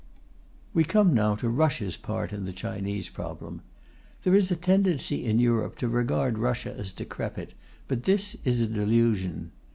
We come now to Russia's part in the Chinese problem. There is a tendency in Europe to regard Russia as decrepit, but this is a delusion.